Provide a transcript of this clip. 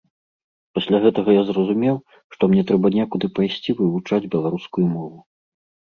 Пасля гэтага я зразумеў, што мне трэба некуды пайсці вывучаць беларускую мову.